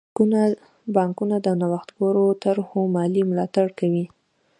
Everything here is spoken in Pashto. بانکونه د نوښتګرو طرحو مالي ملاتړ کوي.